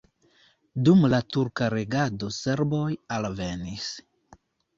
Dum la turka regado serboj alvenis.